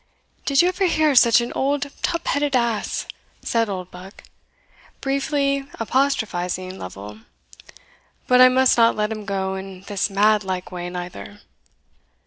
"Did you ever hear such an old tup headed ass?" said Oldbuck, briefly apostrophizing Lovel. "But I must not let him go in this mad like way neither."